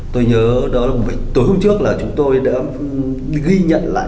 tôi nhớ đó là một tuổi hôm trước là chúng tôi đã ghi nhận lại